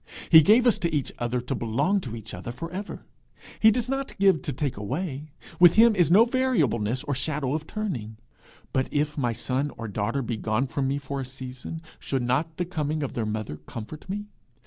He gave us to each other to belong to each other for ever. He does not give to take away; with him is no variableness or shadow of turning. But if my son or daughter be gone from me for a season, should not the coming of their mother comfort me?